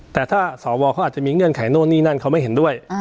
แต่ถ้าสวเขาอาจจะมีเงื่อนไขโน่นนี่นั่นเขาไม่เห็นด้วย